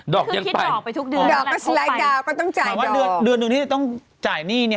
ดอกยังไปดอกสไลด์ก็ต้องจ่ายดอกหมายความว่าเดือนตรงนี้ต้องจ่ายหนี้เนี่ย